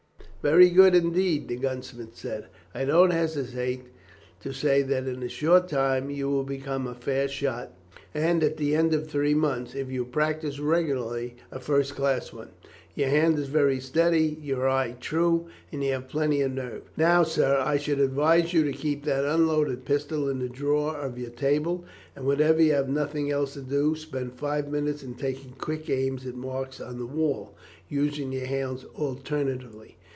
"Very good, indeed," the gunsmith said. "I don't hesitate to say that in a very short time you will become a fair shot, and at the end of three months, if you practise regularly, a first class one. Your hand is very steady, your eye true, and you have plenty of nerve. Now, sir, I should advise you to keep that unloaded pistol in the drawer of your table, and whenever you have nothing else to do, spend five minutes in taking quick aims at marks on the wall, using your hands alternately.